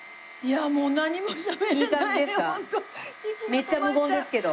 めっちゃ無言ですけど。